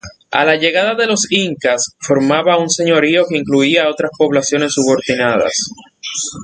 A la llegada de los incas formaba un señorío que incluía otras poblaciones subordinadas.